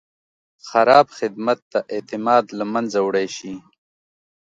خراب خدمت د اعتماد له منځه وړی شي.